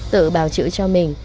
tự báo chữ cho mình